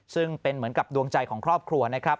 ซึ่งเป็นเหมือนกับดวงใจของครอบครัวนะครับ